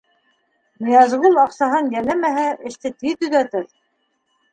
Ныязғол, аҡсаһын йәлләмәһә, эште тиҙ төҙәтер.